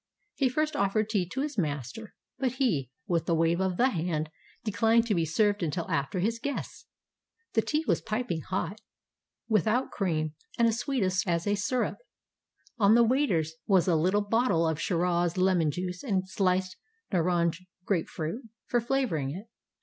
He first offered tea to his master, but he, with a wave of the hand, decUned to be served until after his guests. The tea was piping hot, without cream, and as sweet as a syrup. On the waiters was a little bottle of Shiraz lemon juice and sUced naranj (grape fruit) for flavoring it.